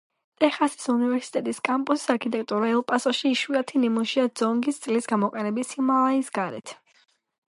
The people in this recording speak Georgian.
ტეხასის უნივერსიტეტის კამპუსის არქიტექტურა ელ-პასოში იშვიათი ნიმუშია ძონგის სტილის გამოყენების ჰიმალაის გარეთ.